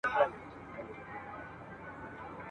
ټولوي مینه عزت او دولتونه !.